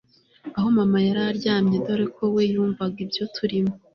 aho mama yari aryamye dore ko we yumvaga ibyo turimo